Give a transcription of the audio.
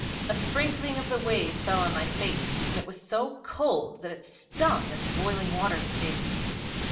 A sprinkling of the wave fell on my face, and it was so cold that it stung as boiling water stings.